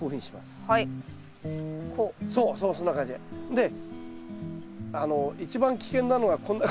で一番危険なのはこんな感じで。